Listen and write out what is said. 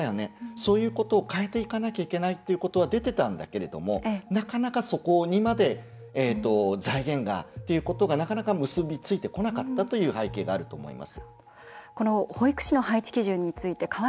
そういうことを変えていかなきゃいけないというのは出てたんだけどもなかなか、そこにまで財源がということがなかなか結びついてこなかったという背景があります。